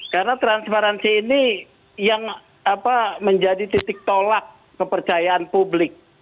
karena transparansi ini yang menjadi titik tolak kepercayaan publik